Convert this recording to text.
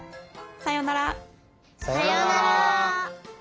さようなら！